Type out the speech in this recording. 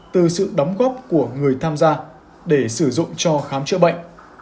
từ sự đóng góp của người tham gia để sử dụng cho khám chữa bệnh